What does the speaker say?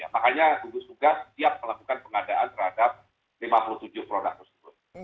makanya gunung gunung juga siap melakukan pengadaan terhadap lima puluh tujuh produk tersebut